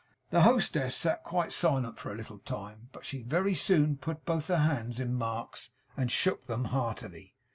The hostess sat quite silent for a little time, but she very soon put both her hands in Mark's and shook them heartily.